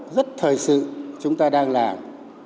rất thời sự chúng ta đang làm